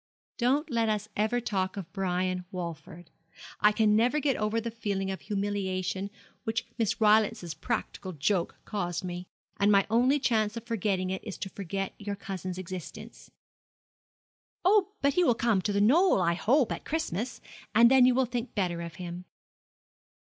'Don't let us ever talk of Brian Walford. I can never get over the feeling of humiliation which Miss Rylance's practical joke caused me; and my only chance of forgetting it is to forget your cousin's existence.' 'Oh, but he will come to The Knoll, I hope, at Christmas, and then you will think better of him.'